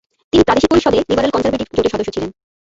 তিনি প্রাদেশিক পরিষদে লিবারেল-কনজারভেটিভ জোটের সদস্য ছিলেন।